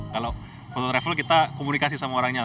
kalau foto travel kita komunikasi sama orangnya